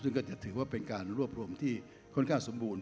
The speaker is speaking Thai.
ซึ่งก็จะถือว่าเป็นการรวบรวมที่ค่อนข้างสมบูรณ